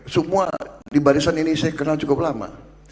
semua di barisan ini saya kenal cukup lama